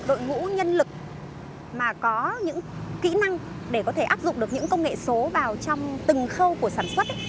đội ngũ nhân lực mà có những kỹ năng để có thể áp dụng được những công nghệ số vào trong từng khâu của sản xuất